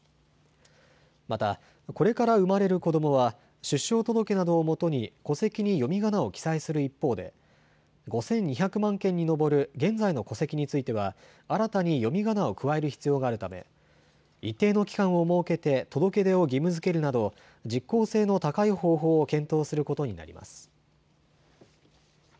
また、これから生まれる子どもは出生届などをもとに戸籍に読みがなを記載する一方で５２００万件に上る現在の戸籍については新たに読みがなを加える必要があるため一定の期間を設けて届け出を義務づけるなど実効性の高い方法を検討することになります。